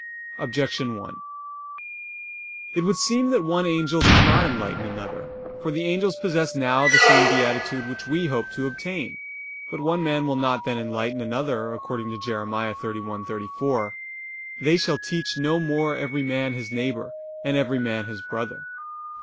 Objection 1: It would seem that one angel does not enlighten another. For the angels possess now the same beatitude which we hope to obtain. But one man will not then enlighten another, according to Jer. 31:34: "They shall teach no more every man his neighbor, and every man his brother."